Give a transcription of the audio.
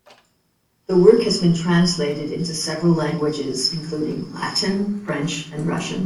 The work has been translated into several languages including Latin, French and Russian.